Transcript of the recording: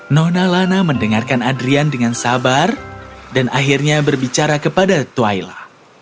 nona lana mendengarkan adrian dengan sabar dan akhirnya berbicara kepada tuhaila